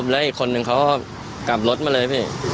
แล้วอีกคนนึงเขาก็กลับรถมาเลยพี่